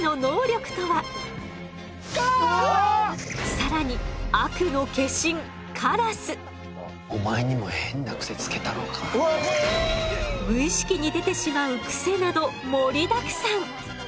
更に悪の化身無意識に出てしまうクセなど盛りだくさん。